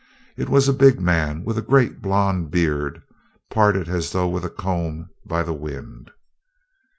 It was a big man with a great blond beard, parted as though with a comb by the wind.